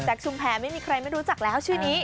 แซคชุมแผลไม่มีใครไม่รู้จักแล้วช่วงนี้